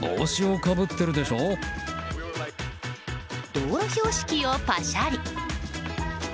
道路標識をパシャリ。